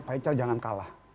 pak ical jangan kalah